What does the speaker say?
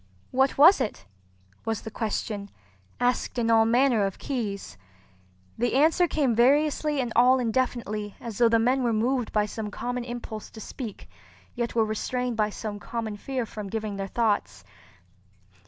"What was it?" was the question, asked in all manner of keys. The answer came variously and all indefinitely as though the men were moved by some common impulse to speak yet were restrained by some common fear from giving their thoughts.